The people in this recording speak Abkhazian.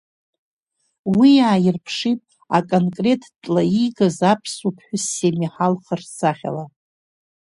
Уи ааирԥшит аконкреттәла иигаз аԥсуа ԥҳәыс Семиҳа лхаҿсахьала.